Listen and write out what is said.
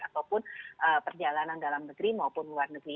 ataupun perjalanan dalam negeri maupun luar negeri